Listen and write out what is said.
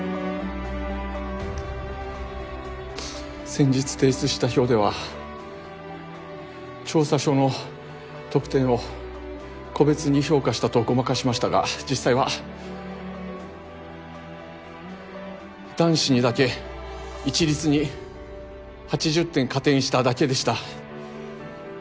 先日提出した表では調査書の得点を個別に評価したとごまかしましたが実際は男子にだけ一律に８０点加点しただけでした。